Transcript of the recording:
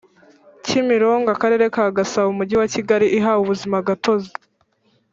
Kimironko Akarere ka Gasabo Umujyi wa Kigali ihawe ubuzimagatozi